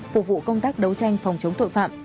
phục vụ công tác đấu tranh phòng chống tội phạm